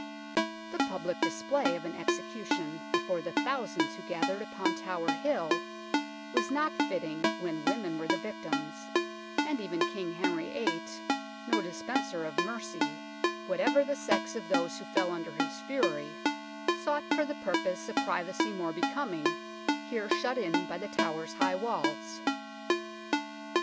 The public display of an execution before the thousands who gathered upon Tower Hill was not fitting when women were the victims, and even King Henry VIII, no dispenser of mercy, whatever the sex of those who fell under his fury, sought for the purpose a THE KING'S HOUSE 129 privacy more becoming, here shut in by The Tower's high walls.